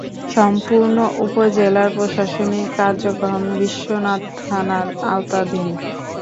সম্পূর্ণ উপজেলার প্রশাসনিক কার্যক্রম বিশ্বনাথ থানার আওতাধীন।